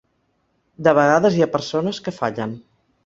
De vegades hi ha persones que fallen.